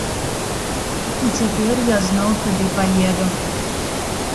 І цяпер я зноў туды паеду.